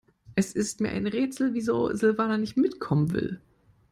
Es ist mir ein Rätsel, wieso Silvana nicht mitkommen will.